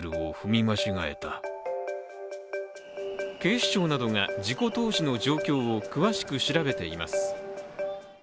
警視庁などが事故当時の状況を詳しく調べています。